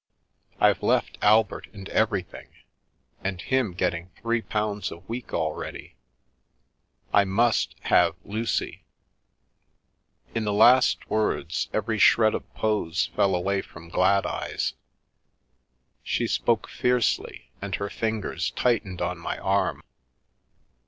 I've left Albert and everything, and him getting three pounds a week already. / must have Lucy" In the last words, every shred of pose fell away from Gladeyes; she spoke fiercely, and her fingers tightened on my arm.